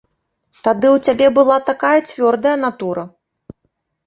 Тады ў цябе была такая цвёрдая натура.